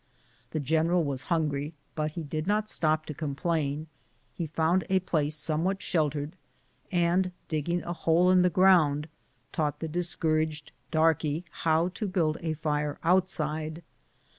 The general was hungry, but he did not stop to complain ; he found a place somewhat sheltered, and digging a hole in the ground, taught the discouraged darkey how to build a fire outside.